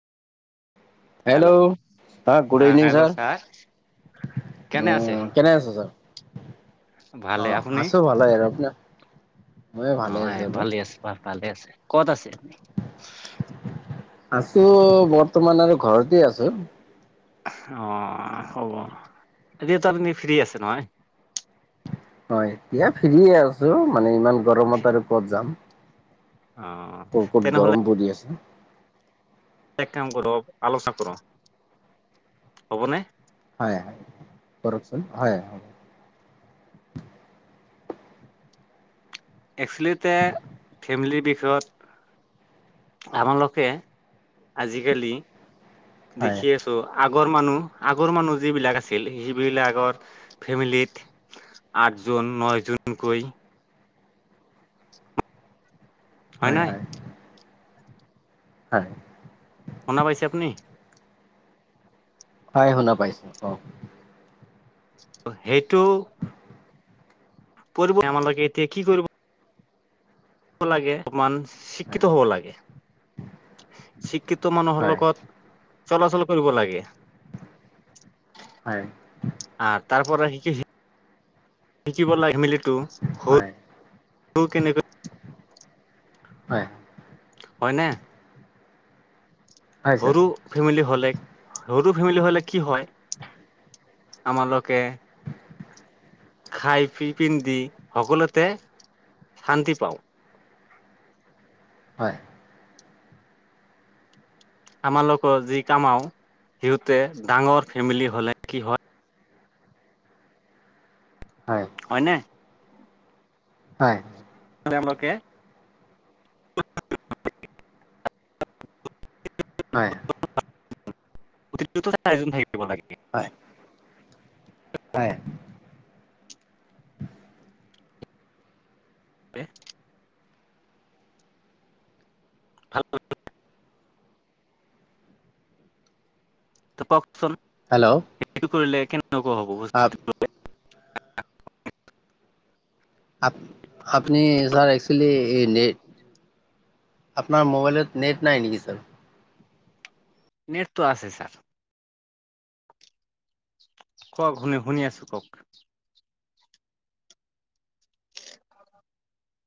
Hello হ good ah evening hello sir কেনে উ আছে কেনে আছা ছাৰ ভালে আহ আপুনি আছো ভালো আৰু আপোনাৰ ময়ো ভালে অ এ আছো আৰু ভালে আছে ভালে আছে ক'ত আছে আছো বৰ্তমান আৰু ঘৰতে আছো অ হ'ব এতিয়া তো আপুনি ফ্ৰী আছে নহয় হয় এয়া ফ্ৰী এ আছো মানে ইমান গৰমত আৰু কত যাম অ বহুত তেনেহলে গৰম পৰি আছে এক কাম কৰ আলোচনা ক'ৰ হ'বনে হয় হয় কৰকচোন হয় হয় একচোৱেলিতে ফেমিলিৰ বিষয়ত আপনালোকে আজিকালি হয় দেখি আ ত' আগৰ মানুহ, আগৰ মানুহ যিবিলাক আছিল সেইবিলাক আগৰ ফেমিলিত- আঠ জন কৈ জুনকৈ [unintelligible] নাই হয়-হয়। হয়। শুনা পাইছে আপুনি? হয় শুনা পাইছো। কওক? সেইটো- আপোনালোকে এতিয়া কি কৰিব। লাগে অকণমান। শিক্ষিত হয় হ'ব লাগে। শিক্ষিত মানুহৰ হয় লগত- চলা-চল কৰিব লাগে। হয়। আঁহ', তাৰপৰা শি- কিব লাগি মেলিটো হয় হ'ল কেনে হয় হয় নে। হয় ছাৰ সৰু- ফেমিলি হ'লে, সৰু ফেমিলি হ'লে কি হয় আমালোকে- খাই পিন্ধি সকলোতে শান্তি পাওঁ। হয়। আমাৰলোকৰ যি কামাও সিহঁতে ডাঙৰ ফেমিলি হ'লে কি হয় হয়। হয় নে। হয়। [unintelligible] হয়। প্ৰতিজন থাকিব লাগে। হয়। হয়। [unintelligible] [unintelligible] [unintelligible] হেল্ল'। সেইটো কৰিলে কেনেকুৱা হ'ব আপ বস্তু। আপ-আপুনি ছাৰ একচুৱেলি নে আপোনাৰ মোবাইলত নেট নাই নেকি ছাৰ? নেট টো আছে ছাৰ। কওঁক শুনি-শুনি আছোঁ কওঁক।